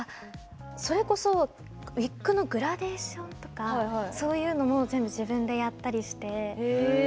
それこそウィッグのグラデーションとかそういうのも自分でやったりして。